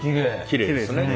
きれいですよね。